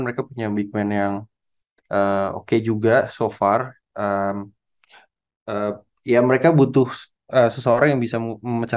mereka punya big man yang oke juga so far ya mereka butuh seseorang yang bisa memecah